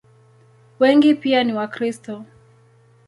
Wengi pia ni Wakristo.